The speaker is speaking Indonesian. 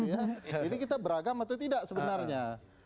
jadi kita beragam atau tidak sebenarnya